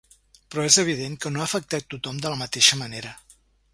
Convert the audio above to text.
Però és evident que no ha afectat tothom de la mateixa manera.